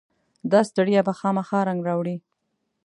داستړیا به خامخا رنګ راوړي.